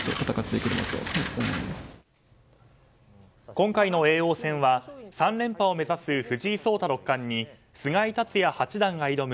今回の叡王戦は３連覇を目指す藤井六冠に菅井竜也八段が挑む